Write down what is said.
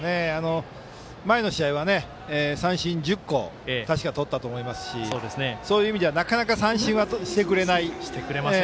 前の試合は三振１０個確かとったと思いますしそういう意味ではなかなか三振はしてくれない。